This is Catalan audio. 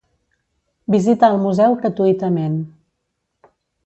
Visita el museu gratuïtament